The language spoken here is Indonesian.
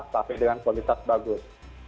tapi dengan kualitas bagus